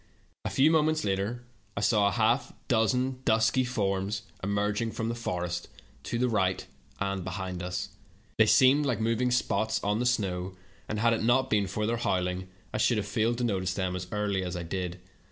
' "A few moments later I saw a half do^en dusky 164 THE TALKING HANDKEKCHIEF. forms emerging from the forest to the right and behind us. They seemed like moving spots on the snow, and had it not been for their howling I should have failed to notice them as early as I did.